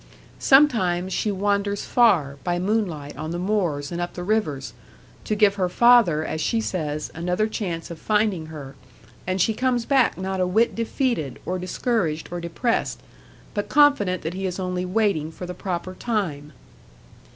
Sometimes she wanders far, by moonlight, on the moors and up the rivers, to give her father (as she says) another chance of finding her, and she comes back not a wit defeated, or discouraged, or depressed, but confident that he is only waiting for the proper time.